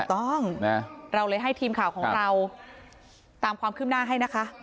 ต้องเราเลยให้ทีมข่าวของเราตามความคืบหน้าให้นะคะ